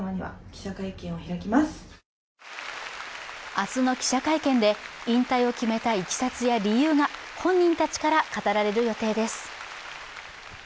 明日の記者会見で引退を決めたいきさつや理由が本人たちから語られる予定です。